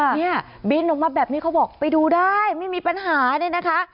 เนี่ยบินออกมาแบบนี้เขาบอกไปดูได้ไม่มีปัญหาเนี่ยนะคะ